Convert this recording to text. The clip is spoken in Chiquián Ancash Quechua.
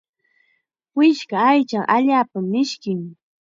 Wishka aychaqa allaapam mishkin.